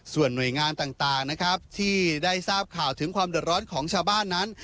ส่วนหน่วยงานต่างนะครับที่ได้ทราบข่าวถึงความเดือดร้อนของชาวบ้านนั้น